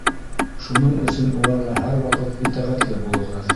Шуның өсөн уларға һәр ваҡыт итәғәтле булығыҙ.